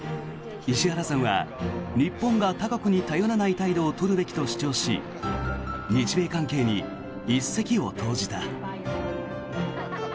石原さんは日本が他国に頼らない態度を取るべきと主張し日米関係に一石を投じた。